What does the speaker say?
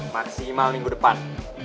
maksimal minggu depan